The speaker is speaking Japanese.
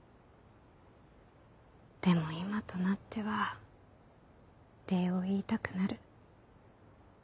でも今となっては礼を言いたくなる。